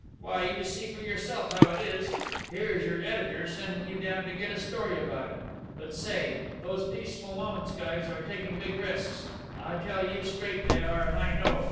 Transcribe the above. Why, you see for yourself how it is. Here is your editor sending you down to get a story about it. But, say, those Peaceful Moments guys are taking big risks. I tell you straight they are, and I know.